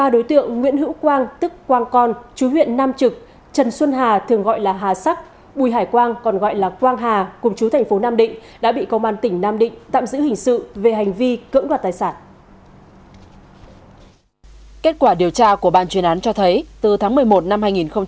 điều tra của bản chuyên án cho thấy từ tháng một mươi một năm hai nghìn một mươi chín